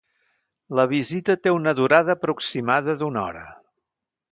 La visita te una durada aproximada d’una hora.